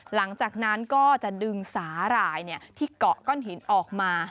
หลังจากนั้นก็จะดึงสาหร่ายที่เกาะก้อนหินออกมา